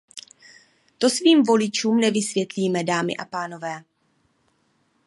To svým voličům nevysvětlíte, dámy a pánové.